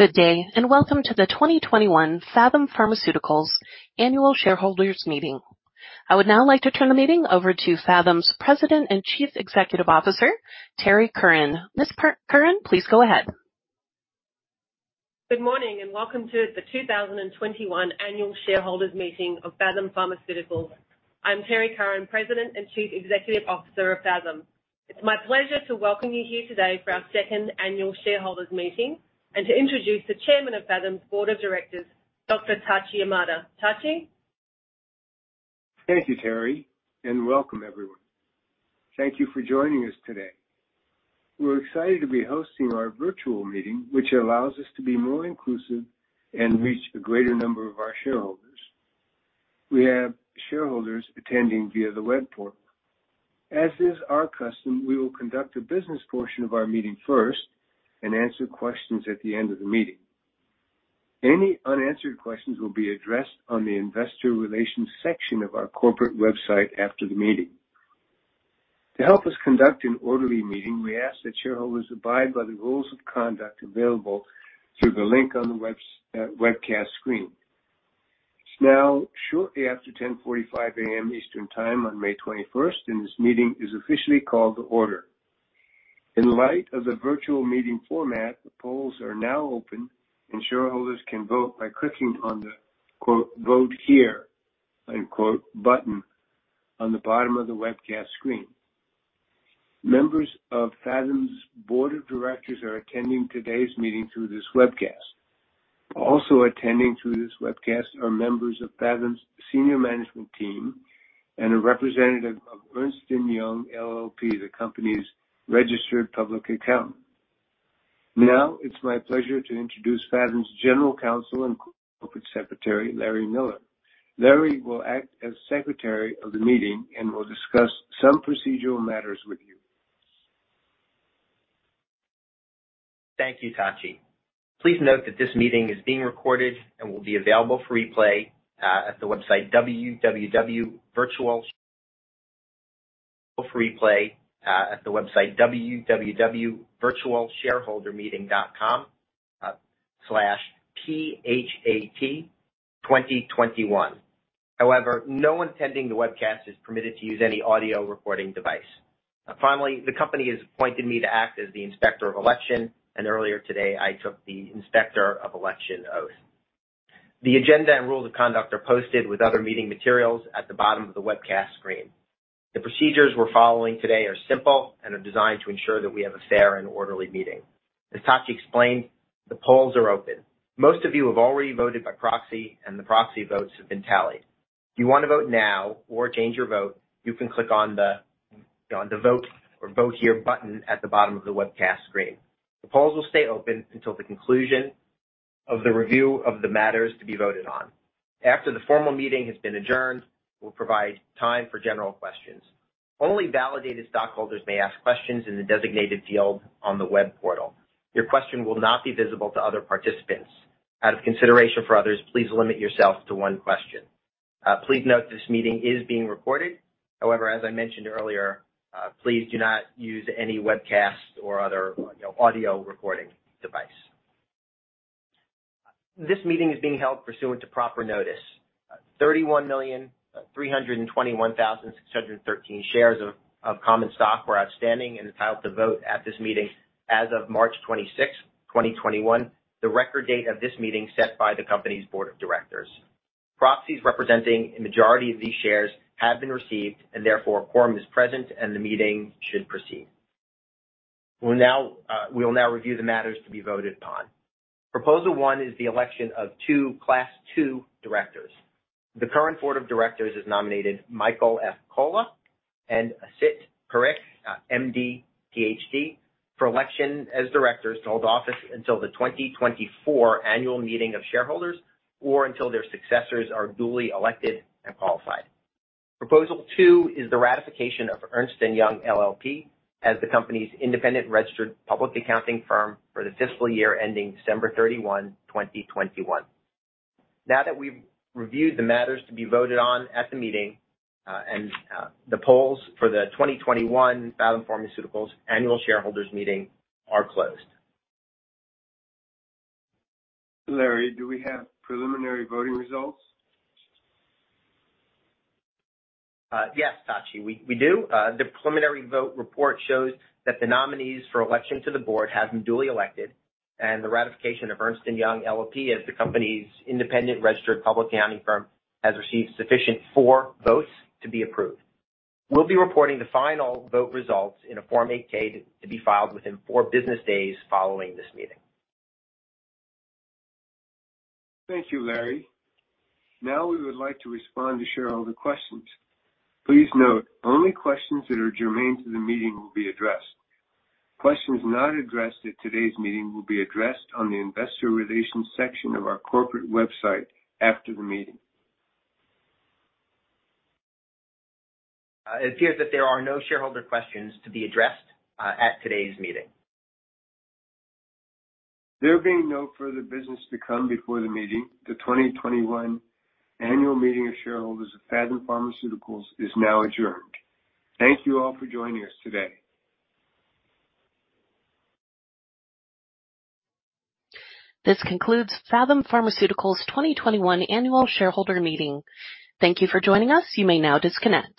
Good day. Welcome to the 2021 Phathom Pharmaceuticals annual shareholders meeting. I would now like to turn the meeting over to Phathom's President and Chief Executive Officer, Terrie Curran. Ms. Curran, please go ahead. Good morning, welcome to the 2021 annual shareholders meeting of Phathom Pharmaceuticals. I'm Terrie Curran, President and Chief Executive Officer of Phathom. It's my pleasure to welcome you here today for our second annual shareholders meeting and to introduce the Chairman of Phathom's Board of Directors, Dr. Tachi Yamada. Tachi? Thank you, Terrie, and welcome, everyone. Thank you for joining us today. We're excited to be hosting our virtual meeting, which allows us to be more inclusive and reach a greater number of our shareholders. We have shareholders attending via the web portal. As is our custom, we will conduct the business portion of our meeting first and answer questions at the end of the meeting. Any unanswered questions will be addressed on the investor relations section of our corporate website after the meeting. To help us conduct an orderly meeting, we ask that shareholders abide by the rules of conduct available through the link on the webcast screen. It's now shortly after 10:45 A.M. Eastern Time on May 21st, and this meeting is officially called to order. In light of the virtual meeting format, the polls are now open, and shareholders can vote by clicking on the quote, Vote Here, unquote button on the bottom of the webcast screen. Members of Phathom's board of directors are attending today's meeting through this webcast. Also attending through this webcast are members of Phathom's senior management team and a representative of Ernst & Young LLP, the company's registered public accountant. Now it's my pleasure to introduce Phathom's General Counsel and Secretary, Larry Miller. Larry will act as Secretary of the meeting and will discuss some procedural matters with you. Thank you, Tachi. Please note that this meeting is being recorded and will be available for replay at the website www.virtualshareholdermeeting.com/phat2021. However, no one attending the webcast is permitted to use any audio recording device. Finally, the company has appointed me to act as the Inspector of Election, and earlier today, I took the Inspector of Election oath. The agenda and rules of conduct are posted with other meeting materials at the bottom of the webcast screen. The procedures we're following today are simple and are designed to ensure that we have a fair and orderly meeting. As Tachi explained, the polls are open. Most of you have already voted by proxy, and the proxy votes have been tallied. If you want to vote now or change your vote, you can click on the Vote or Vote Here button at the bottom of the webcast screen. The polls will stay open until the conclusion of the review of the matters to be voted on. After the formal meeting has been adjourned, we'll provide time for general questions. Only validated stockholders may ask questions in the designated field on the web portal. Your question will not be visible to other participants. Out of consideration for others, please limit yourself to one question. Please note this meeting is being recorded. However, as I mentioned earlier, please do not use any webcast or other audio recording device. This meeting is being held pursuant to proper notice. 31,321,613 shares of common stock were outstanding and entitled to vote at this meeting as of March 26th, 2021, the record date of this meeting set by the company's board of directors. Proxies representing a majority of these shares have been received, and therefore, a quorum is present, and the meeting should proceed. We will now review the matters to be voted upon. Proposal one is the election of two Class II directors. The current board of directors has nominated Michael F. Cola and Asit Parikh for election as directors to hold office until the 2024 annual meeting of shareholders or until their successors are duly elected and qualified. Proposal two is the ratification of Ernst & Young LLP as the company's independent registered public accounting firm for the fiscal year ending December 31, 2021. Now that we've reviewed the matters to be voted on at the meeting, and the polls for the 2021 Phathom Pharmaceuticals annual shareholders meeting are closed. Larry, do we have preliminary voting results? Yes, Tachi, we do. The preliminary vote report shows that the nominees for election to the board have been duly elected and the ratification of Ernst & Young LLP as the company's independent registered public accounting firm has received sufficient for votes to be approved. We'll be reporting the final vote results in a Form 8-K to be filed within four business days following this meeting. Thank you, Larry. Now we would like to respond to shareholder questions. Please note, only questions that are germane to the meeting will be addressed. Questions not addressed at today's meeting will be addressed on the investor relations section of our corporate website after the meeting. It appears that there are no shareholder questions to be addressed at today's meeting. There being no further business to come before the meeting, the 2021 annual meeting of shareholders of Phathom Pharmaceuticals is now adjourned. Thank you all for joining us today. This concludes Phathom Pharmaceuticals' 2021 Annual Shareholder Meeting. Thank you for joining us. You may now disconnect.